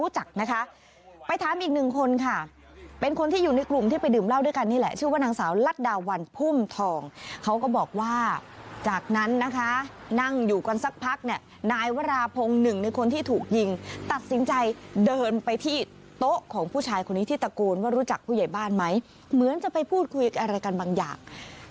จากนั้นนะคะนั่งอยู่ก่อนสักพักเนี่ยนายวาราพงษ์หนึ่งในคนที่ถูกยิงตัดสินใจเดินไปที่โต๊ะของผู้ชายคนนี้ที่ตะโกนว่ารู้จักผู้ใหญ่บ้านไหมเหมือนจะไปพูดคุยอะไรกันบางอย่าง